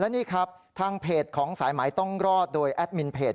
นี่ครับทางเพจของสายหมายต้องรอดโดยแอดมินเพจ